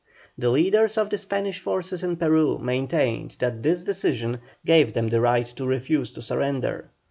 The leaders of the Spanish forces in Peru maintained that this decision gave them the right to refuse to surrender.